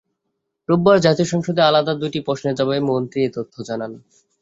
রোববার জাতীয় সংসদে আলাদা দুটি প্রশ্নের জবাবে মন্ত্রী এ তথ্য জানান।